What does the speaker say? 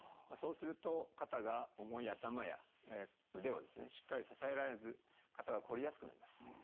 そうすると肩が重い頭や腕をですねしっかり支えられず肩がこりやすくなります。